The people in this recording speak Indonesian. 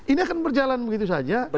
ini akan berjalan begitu saja